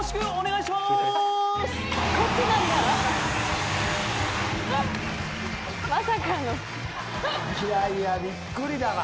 いやいや。びっくりだわ。